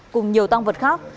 cùng nhiều tăng vật khác